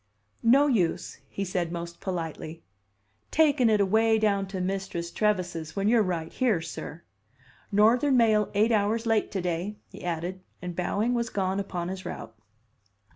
"No use," he said most politely, "takin' it away down to Mistress Trevise's when you're right here, sir. Northern mail eight hours late to day," he added, and bowing, was gone upon his route.